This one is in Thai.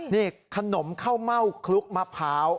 นี่ขนมข้าวเม่าคลุกมะพร้าว